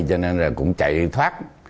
cho nên là cũng chạy thoát